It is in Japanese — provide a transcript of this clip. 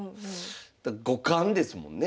五冠ですもんね。